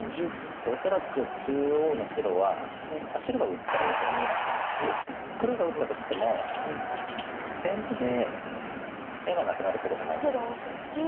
恐らく中央の白は白が打ったらもちろん２眼ありますし黒が打ったとしても先手で眼がなくなるってことはないと思うんですよね。